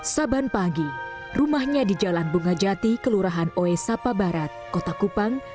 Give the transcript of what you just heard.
saban pagi rumahnya di jalan bunga jati kelurahan oe sapa barat kota kupang